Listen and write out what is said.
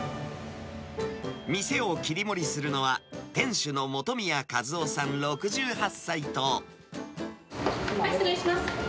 店を切り盛りするのは、はい、失礼します。